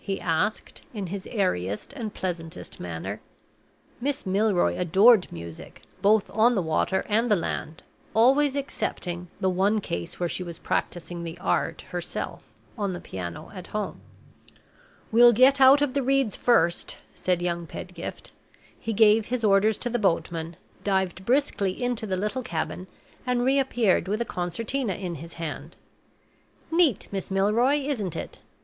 he asked, in his airiest and pleasantest manner. Miss Milroy adored music, both on the water and the land always excepting the one case when she was practicing the art herself on the piano at home. "We'll get out of the reeds first," said young Pedgift. He gave his orders to the boatmen, dived briskly into the little cabin, and reappeared with a concertina in his hand. "Neat, Miss Milroy, isn't it?"